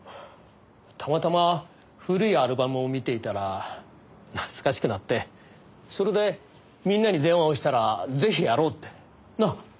たまたま古いアルバムを見ていたら懐かしくなってそれでみんなに電話をしたらぜひやろうって。なあ？